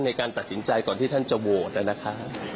ในการตัดสินใจก่อนที่ท่านจะโวท์แล้วนะคะ